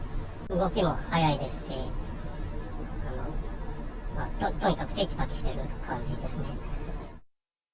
動きも速いですし、とにかくてきぱきしてる感じですね。